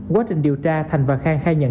quá trình điều tra thành và khang khai nhận